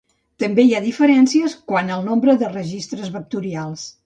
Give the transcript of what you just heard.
També hi ha diferències quant al nombre de registres vectorials.